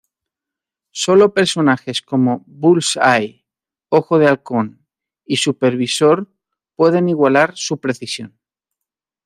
Sólo personajes como Bullseye, Ojo de Halcón, y Supervisor pueden igualar su precisión.